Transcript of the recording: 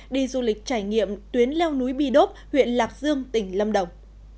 đi du lịch trải nghiệm tuyến leo núi bi đốp huyện lạc dương tỉnh lâm đồng